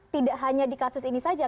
tidak hanya di kasus ini saja